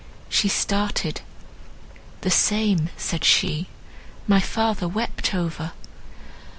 She started—"The same," said she, "my father wept over!"